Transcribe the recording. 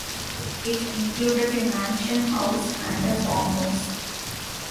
It included a mansion house and a farmhouse.